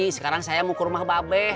sekarang saya mau ke rumah babe